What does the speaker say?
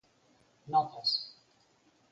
Notas.